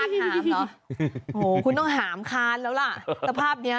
โห้คุณต้องหามคารแล้วล่ะสภาพนี้